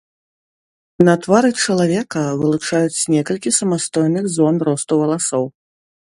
На твары чалавека, вылучаюць некалькі самастойных зон росту валасоў.